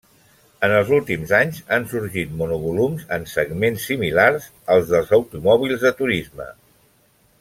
En els últims anys han sorgit monovolums en segments similars als dels automòbils de turisme.